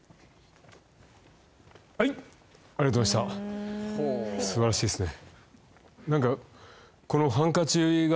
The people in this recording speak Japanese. はいありがとうございました素晴らしいっすね